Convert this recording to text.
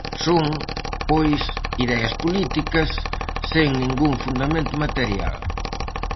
Son, pois, ideas políticas, sen ningún fundamento material.